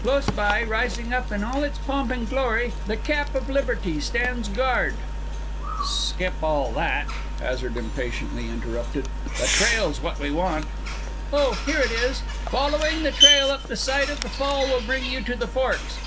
Close by, rising up in all its pomp and glory, the Cap of Liberty stands guard " "Skip all that!" Hazard impatiently interrupted. "The trail's what we want." "Oh, here it is! 'Following the trail up the side of the fall will bring you to the forks.